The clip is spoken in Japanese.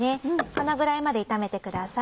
このぐらいまで炒めてください。